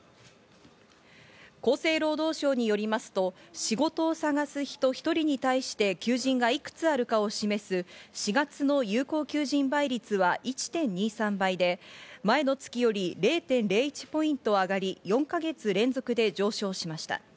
厚生労働省によりますと、仕事を探す人１人に対して求人がいくつあるかを示す４月の有効求人倍率は１．２３倍で、前の月より０．０１ポイント上がり、４か月連続で上昇しました。